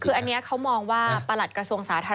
คืออันนี้เขามองว่าประหลัดกระทรวงสาธารณ